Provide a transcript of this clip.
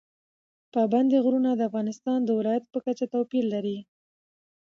پابندی غرونه د افغانستان د ولایاتو په کچه توپیر لري.